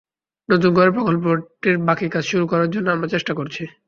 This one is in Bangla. নতুন করে প্রকল্পটির বাকি কাজ শুরু করার জন্য আমরা চেষ্টা করছি।